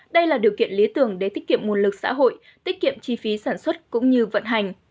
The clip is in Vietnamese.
đây là điều kiện lý tưởng để tiết kiệm nguồn lực xã hội tiết kiệm chi phí sản xuất cũng như vận hành